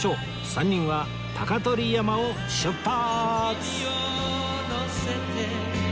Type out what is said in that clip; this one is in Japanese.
３人は鷹取山を出発